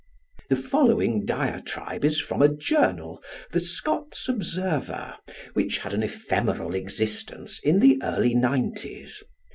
The following diatribe is from a journal, The Scots Observer, which had an ephemeral existence in the early 'nineties.